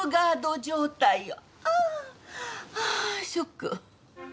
ああショック。